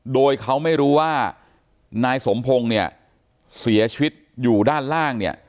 โดยเขาไม่รู้ว่านายสมพงศ์เนี่ยเสียชีวิตอยู่ด้านล่างเนี่ย